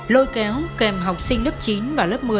lôi kéo kèm học sinh lớp chín và lớp một mươi